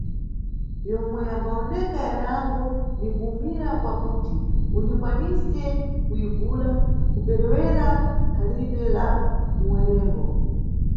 Yomwe yambawoneka yanango ni kuwumira kwa kuti uniyikwanise kuyigula, kuperewera khalidwe la muwerengo.